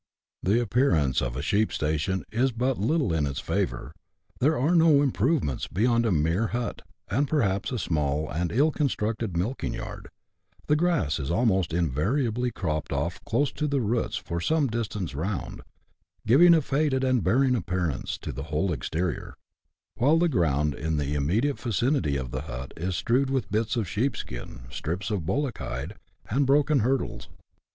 The appearance of a sheep stafeon is but little in its favour ; there are no " improvements " beyond a mere hut, and perhaps a small and ill constructed milking yard ; the grass is almost invariably cropped off close to the roots for some distance round, giving a faded and barren appearance to the whole exterior ; while the ground in the immediate vicinity of the hut is strewed with bits of sheepskin, strips of bullock hide, and broken hurdles.